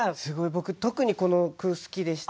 僕特にこの句好きでした。